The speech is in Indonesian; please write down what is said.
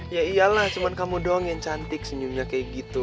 ya iyalah cuma kamu doang yang cantik senyumnya kayak gitu